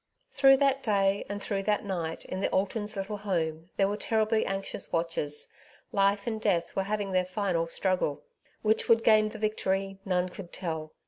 Through that day and through that night in the Altons' little home there were terribly anxious watchers. Life and death were having their final struggle. Which would gain the victory none could tell.